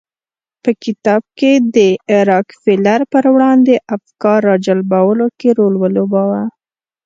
په کتاب کې د راکفیلر پر وړاندې افکار راجلبولو کې رول ولوباوه.